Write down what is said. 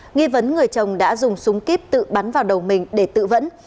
nghi vấn người chồng đã dùng súng kíp tự bắn vào đầu mình để tự vẫn